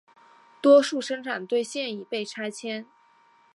多数生产队现已被拆迁。